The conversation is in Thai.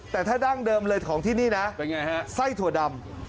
แต่ถ้าดั้งเดิมเลยของที่นี่นะไส้ถั่วดำ